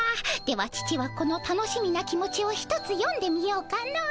では父はこの楽しみな気持ちをひとつよんでみようかの。